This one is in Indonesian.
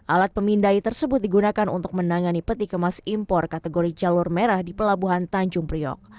alat pemindai tersebut digunakan untuk menangani peti kemas impor kategori jalur merah di pelabuhan tanjung priok